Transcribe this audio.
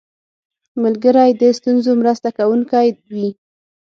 ملګری د ستونزو مرسته کوونکی وي